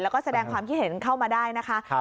แล้วก็แสดงความคิดเห็นเข้ามาได้นะคะ